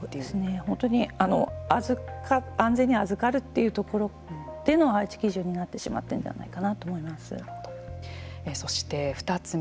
本当に安全に預かるというところでの配置基準になってしまっているのそして、２つ目。